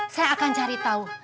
saya akan cari tau